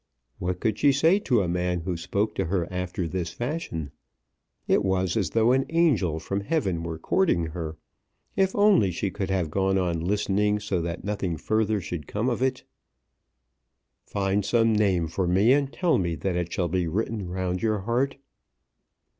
What could she say to a man who spoke to her after this fashion? It was as though an angel from heaven were courting her! If only she could have gone on listening so that nothing further should come of it! "Find some name for me, and tell me that it shall be written round your heart."